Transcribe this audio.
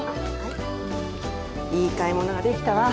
いい買い物ができたわ。